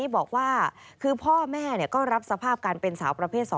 บอกว่าคือพ่อแม่ก็รับสภาพการเป็นสาวประเภท๒